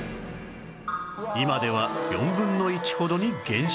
今では４分の１ほどに減少